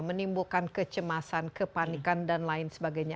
menimbulkan kecemasan kepanikan dan lain sebagainya